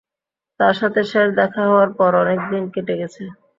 তার সাথে শেষ দেখা হওয়ার পর অনেক দিন কেটে গেছে।